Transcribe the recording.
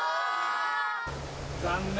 残念！